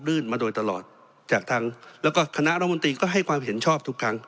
ื่นมาโดยตลอดจากทางแล้วก็คณะรัฐมนตรีก็ให้ความเห็นชอบทุกครั้ง